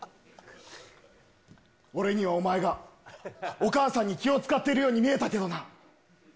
俺にはお前が、お母さんに気を遣っているように見えたけどな。